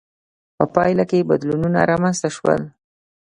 په پایله کې بدلونونه رامنځته شول.